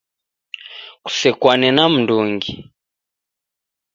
Kusekwane na mndungi